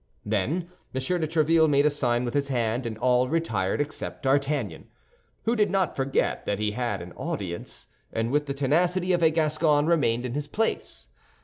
Then M. de Tréville made a sign with his hand, and all retired except D'Artagnan, who did not forget that he had an audience, and with the tenacity of a Gascon remained in his place.